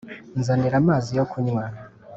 «nzanira amazi yo kunywa